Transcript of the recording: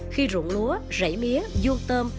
khi ruộng lúa rảy mía duông tôm